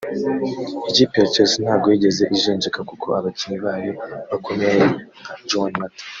ikipe ya Chelsea ntago yigeze ijenjeka kuko abakinnyi bayo bakomeye nka Juan Mata